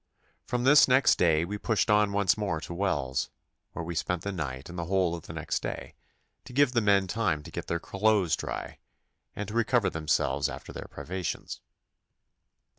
From this next day we pushed on once more to Wells, where we spent the night and the whole of the next day, to give the men time to get their clothes dry, and to recover themselves after their privations.